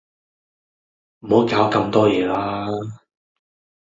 唔好搞咁多嘢啦